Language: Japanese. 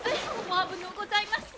お危のうございます。